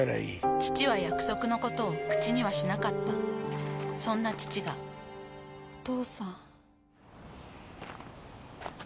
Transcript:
父は約束のことを口にはしなかったそんな父がお父さん。